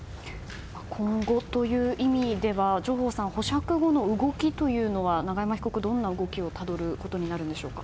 今後という意味では上法さん保釈後の動きというのは永山被告、どんな動きをたどることになるんでしょうか。